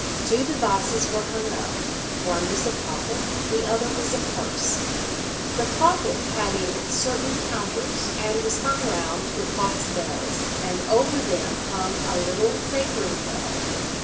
Two devices were hung up; one was a pocket, the other was a purse. The pocket had in it certain counters, and was hung round with hawk's bells, and over them hung a little sacring[63:1] bell.